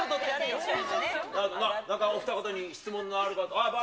なんかお二方に質問ある方。